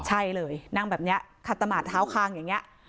ใช่เลยนั่งแบบนี้ขัดตมาดเท้าคางอย่างนี้